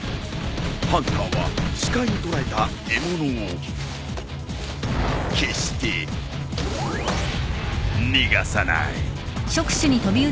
ハンターは視界に捉えた獲物を決して逃がさない。